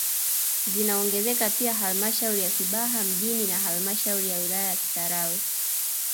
Zinaongezeka pia halmashauri ya Kibaha mjini na halmashauri ya wilaya ya Kisarawe